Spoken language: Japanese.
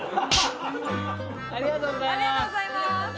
ありがとうございます。